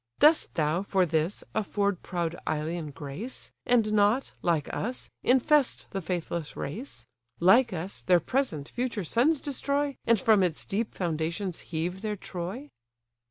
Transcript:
Dost thou, for this, afford proud Ilion grace, And not, like us, infest the faithless race; Like us, their present, future sons destroy, And from its deep foundations heave their Troy?"